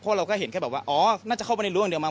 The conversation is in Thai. เพราะเราก็เห็นแค่แบบว่าอ๋อน่าจะเข้าไปในรั่งอย่างเดียวมา